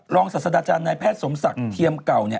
ศาสดาจารย์นายแพทย์สมศักดิ์เทียมเก่าเนี่ย